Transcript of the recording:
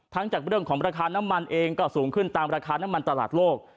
จากเรื่องของราคาน้ำมันเองก็สูงขึ้นตามราคาน้ำมันตลาดโลก